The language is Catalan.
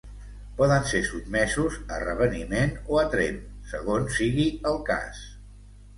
Poden ser sotmesos a reveniment o a tremp segons sigui el cas.